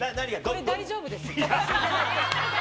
これ、大丈夫です。